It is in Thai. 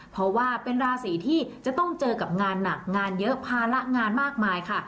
เพราะว่าเป็นราศีที่จะต้องเจอกับงานหนักงานเยอะภาระงานมากมายค่ะ